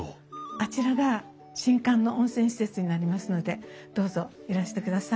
あちらが新館の温泉施設になりますのでどうぞいらしてください。